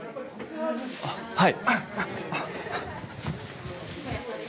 あっはい！